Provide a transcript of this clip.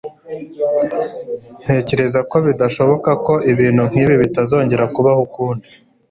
Ntekereza ko bidashoboka ko ibintu nkibi bitazongera kubaho ukundi.